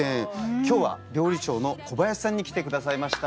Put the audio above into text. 今日は料理長の小林さん来てくださいました。